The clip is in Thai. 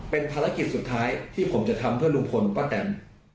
เป็นภารกิจสุดท้ายที่ผมจะทำเพื่อลุงพลป้าแตน